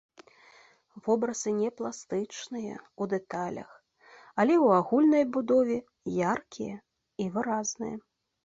Вобразы не пластычныя ў дэталях, але ў агульнай будове яркія і выразныя.